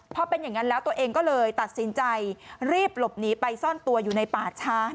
พอเป็นอย่างนั้นแล้วตัวเองก็เลยตัดสินใจรีบหลบหนีไปซ่อนตัวอยู่ในป่าช้า